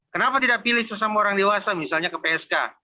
kenapa tidak pilih sesama orang dewasa misalnya ke psk